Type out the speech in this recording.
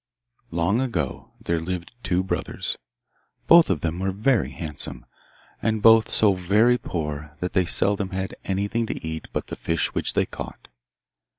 Long ago there lived two brothers, both of them very handsome, and both so very poor that they seldom had anything to eat but the fish which they caught.